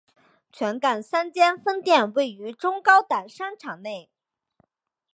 全港三间分店都位于中高档商场内。